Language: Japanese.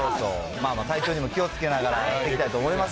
まあまあ体調にも気をつけながらやっていきたいと思います。